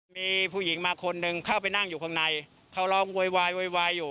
มีผู้หญิงมาคนหนึ่งเข้าไปนั่งอยู่ข้างในเขาร้องโวยวายโวยวายอยู่